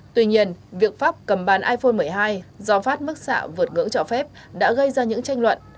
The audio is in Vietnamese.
tuy nhiên việc pháp cầm bán iphone một mươi hai do phát mức xạ vượt ngưỡng trọ phép đã gây ra những tranh luận